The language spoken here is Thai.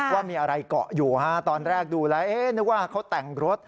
ว่ามีอะไรเกาะอยู่ฮะตอนแรกดูแล้วนึกว่าเขาแต่งรถ